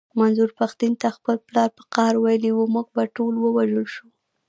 منظور پښتين ته خپل پلار په قهر ويلي و مونږ به ټول ووژل شو.